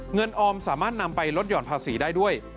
ออมสามารถนำไปลดห่อนภาษีได้ด้วย